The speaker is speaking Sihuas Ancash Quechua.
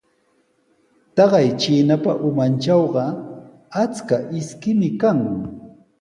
Taqay chiinapa umantrawqa achka ishkimi kan.